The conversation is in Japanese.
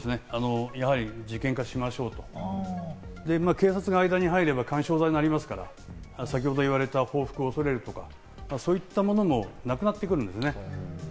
やはり事件化しましょうと警察が間に入れば、緩衝材になりますから、先ほど言われた報復を恐れるとか、そういったものもなくなってくるんですね。